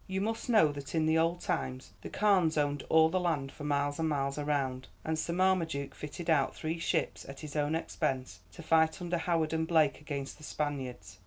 "You must know that in the old times the Carnes owned all the land for miles and miles round, and Sir Marmaduke fitted out three ships at his own expense to fight under Howard and Blake against the Spaniards.